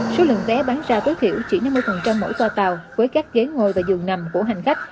số lượng vé bán ra tối thiểu chỉ năm mươi mỗi toa tàu với các ghế ngồi và giường nằm của hành khách